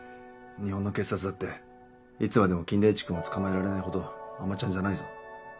日本の警察だっていつまでも金田一君を捕まえられないほど甘ちゃんじゃないぞ。